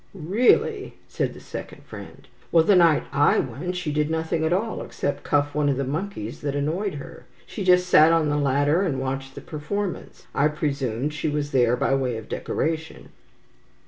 "Really," said the second friend. "Well, the night I went, she did nothing at all except cuff one of the monkeys that annoyed her. She just sat on the ladder, and watched the performance. I presumed she was there by way of decoration."